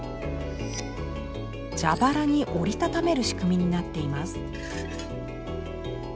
蛇腹に折り畳める仕組みになっています。